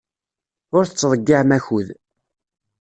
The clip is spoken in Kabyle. Ur tettḍeyyiɛem akud.